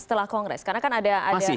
setelah kongres karena kan ada